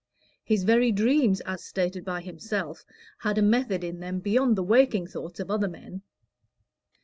His very dreams, as stated by himself, had a method in them beyond the waking thoughts of other men.